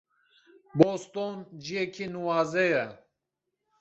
Boston ciyekî nuwaze ye.